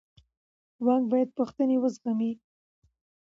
واک باید پوښتنې وزغمي